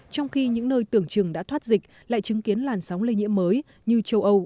trong khi những nơi tưởng chừng đã thoát dịch lại chứng kiến làn sóng lây nhiễm mới như châu âu